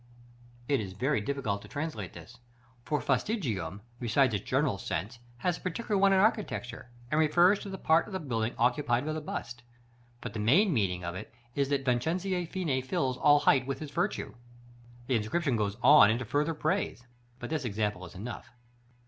It is very difficult to translate this; for fastigium, besides its general sense, has a particular one in architecture, and refers to the part of the building occupied by the bust; but the main meaning of it is that "Vincenzo Fini fills all height with his virtue." The inscription goes on into farther praise, but this example is enough.